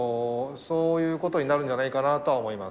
そういうことになるんじゃないかなと思います。